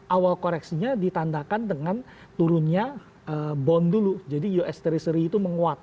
awal koreksinya ditandakan dengan turunnya bond dulu jadi us treasury itu menguat